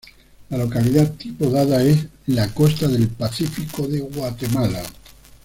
La localidad tipo dada es "la costa del Pacífico de Guatemala.